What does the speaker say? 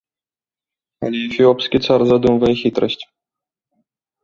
Але эфіопскі цар задумвае хітрасць.